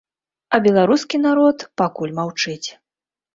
А беларускі народ пакуль маўчыць.